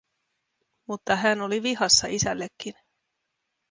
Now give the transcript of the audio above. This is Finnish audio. Mutta hän oli vihassa isällekin.